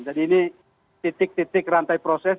jadi ini titik titik rantai proses